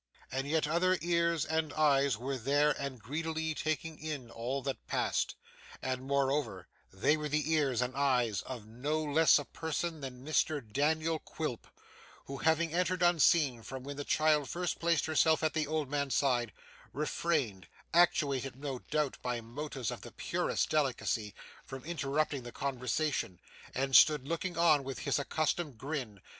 And yet other ears and eyes were there and greedily taking in all that passed, and moreover they were the ears and eyes of no less a person than Mr Daniel Quilp, who, having entered unseen when the child first placed herself at the old man's side, refrained actuated, no doubt, by motives of the purest delicacy from interrupting the conversation, and stood looking on with his accustomed grin.